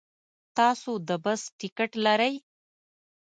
تاسو د بس ټکټ لرئ؟